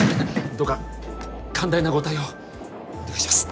どうか寛大なご対応をお願いします